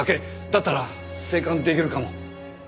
だったら静観できるかも。